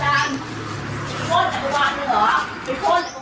ซาถนาไหน